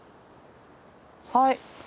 はい。